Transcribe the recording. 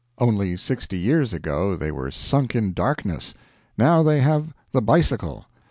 Only sixty years ago they were sunk in darkness; now they have the bicycle.